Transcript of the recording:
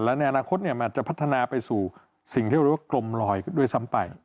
และในอนาคตมันจะพัฒนาไปสู่สิ่งที่เรียกว่ากลมลอยด้วยซ้ำไป